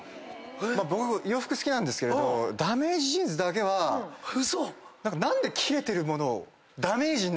僕洋服好きなんですけれどダメージジーンズだけは。嘘⁉何で切れてる物を。